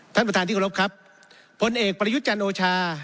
ท่านประธานที่ขอรับครับพลเอกประยุจจันโอชา